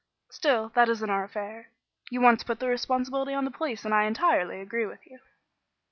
Still, that isn't our affair. You want to put the responsibility on the police and I entirely agree with you."